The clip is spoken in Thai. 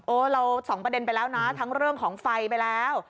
เราสองประเด็นไปแล้วนะทั้งเรื่องของไฟไปแล้ว